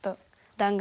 弾丸？